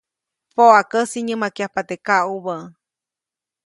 Poʼakäsi nyämakyajpa teʼ kaʼubä.